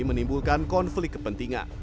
menimbulkan konflik kepentingan